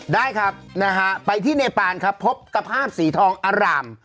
ได้ครับไปที่เงภาพร์มพบตภาพศรีทองอาราม